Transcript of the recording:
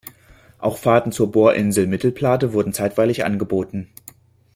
Auch Fahrten zur Bohrinsel Mittelplate wurden zeitweilig angeboten.